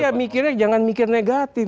ya mikirnya jangan mikir negatif